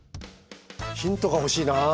ヒントが欲しいなあ。